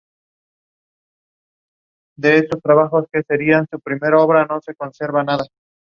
La alta concentración de gusanos en el barro son signo de contaminación del agua.